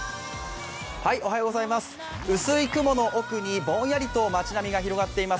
薄い雲の奥にぼんやりと町並みが広がっています。